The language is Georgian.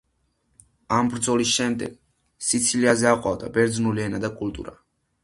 ამ ბრძოლის შემდეგ სიცილიაზე აყვავდა ბერძნული ენა და კულტურა.